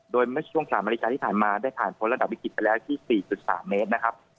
โดยเมื่อช่วง๓นาฬิกาที่ผ่านมาได้ผ่านพ้นระดับวิกฤตไปแล้วที่๔๓เมตรนะครับ